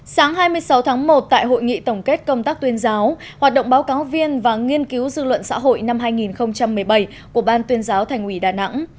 sáng hai mươi sáu tháng một tại hội nghị tổng kết công tác tuyên giáo hoạt động báo cáo viên và nghiên cứu dư luận xã hội năm hai nghìn một mươi bảy của ban tuyên giáo thành ủy đà nẵng